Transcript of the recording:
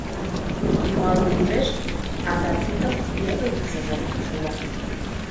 Юалге южеш антрацитын леве ӱпшыжӧ шула.